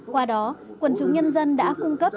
qua đó quần chủ nhân dân đã cung cấp